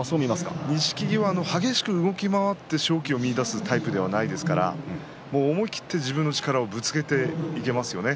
錦木は激しく動き回って勝機を見いだすタイプではないですから思い切って自分の力をぶつけていけますよね。